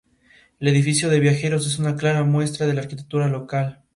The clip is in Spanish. Edwin Solórzano Campos al Dr. Orlando Arrieta Orozco